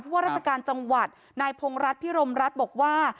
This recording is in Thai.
ว่าราชการจังหวัดนายพงรัฐพิรมรัฐบอกว่า